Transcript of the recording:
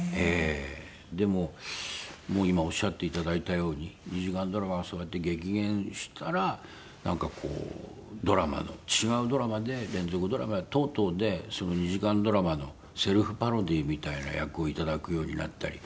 でももう今おっしゃっていただいたように２時間ドラマがそうやって激減したらなんかこうドラマの違うドラマで連続ドラマ等々でその２時間ドラマのセルフパロディーみたいな役をいただくようになったり。